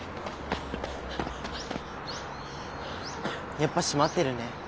やっぱ閉まってるね。